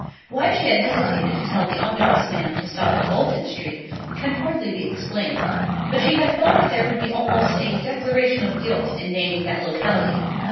Why she had hesitated to tell the omnibus man to stop at Bolton Street can hardly be explained; but she had felt that there would be almost a declaration of guilt in naming that locality.